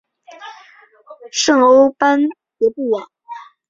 圣欧班德布瓦。